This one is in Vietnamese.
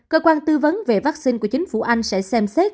cơ quan tư vấn về vắc xin của chính phủ anh sẽ xem xét